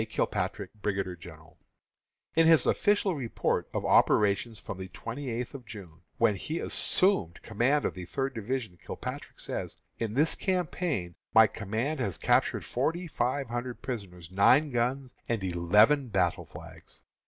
KILPATRICK, Brigadier General. In his official report of operations from the twenty eighth of June, when he assumed command of the Third division, Kilpatrick says: "In this campaign my command has captured forty five hundred prisoners, nine guns, and eleven battle flags."